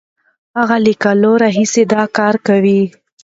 هغه له کلونو راهیسې دا کار کوي.